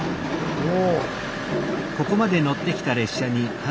おお。